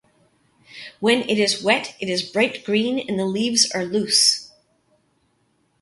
When it is wet it is bright green and the leaves are loose.